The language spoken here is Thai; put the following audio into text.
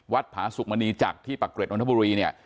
ผาสุกมณีจักรที่ปะเกร็ดนนทบุรีเนี่ย